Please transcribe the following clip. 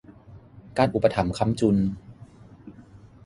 การอุปถัมภ์ค้ำจุน